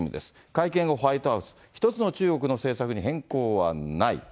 会見後、ホワイトハウスは、１つの中国の政策に変更はない。